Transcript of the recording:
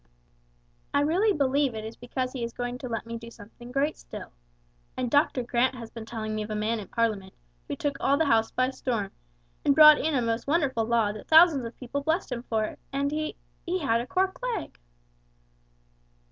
I really believe it is because He is going to let me do something great still. And Doctor Grant has been telling me of a man in Parliament who took all the house by storm, and brought in a most wonderful law that thousands of people blessed him for, and he he had a cork leg!"